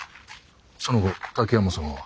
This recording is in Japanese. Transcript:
その後滝山様は？